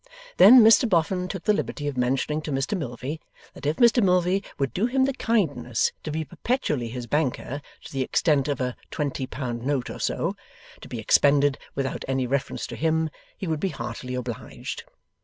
Then, Mr Boffin took the liberty of mentioning to Mr Milvey that if Mr Milvey would do him the kindness to be perpetually his banker to the extent of 'a twenty pound note or so,' to be expended without any reference to him, he would be heartily obliged.